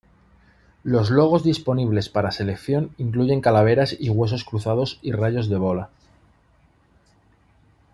Los logos disponibles para selección incluyen calaveras y huesos cruzados y rayos de bola.